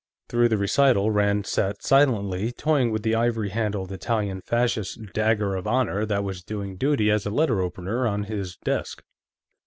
Through the recital, Rand had sat silently, toying with the ivory handled Italian Fascist dagger of honor that was doing duty as a letter opener on his desk.